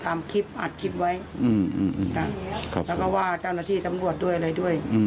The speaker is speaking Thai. ตามคลิปอัดคลิปไว้แล้วก็ว่าเจ้าหน้าที่ตำรวจด้วยอะไรด้วย